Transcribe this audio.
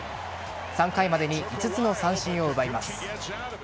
３回までに５つの三振を奪います。